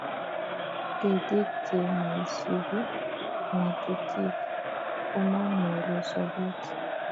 Ketik che moisubi ngatutik komonyoru sobet